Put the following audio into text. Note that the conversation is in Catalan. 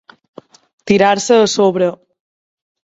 Tirar-se a sobre.